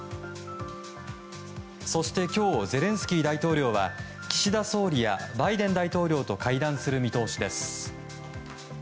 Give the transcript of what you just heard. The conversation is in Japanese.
そして、今日ゼレンスキー大統領は岸田総理やバイデン大統領と会談する見通しです。